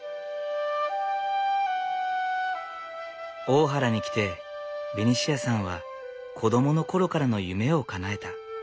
大原に来てベニシアさんは子供の頃からの夢をかなえた。